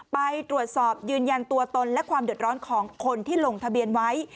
ไปตรวจสอบยืนยันตัวตนและความเดือดร้อนของคนที่ลงทะเบียนไว้